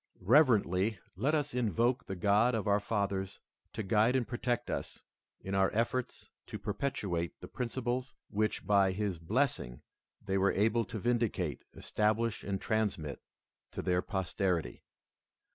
Reverently let us invoke the God of our fathers to guide and protect us in our efforts to perpetuate the principles which by his blessing they were able to vindicate, establish, and transmit to their posterity.